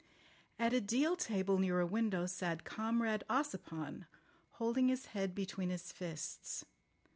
At a deal table near a window sat Comrade Ossipon, holding his head between his fists.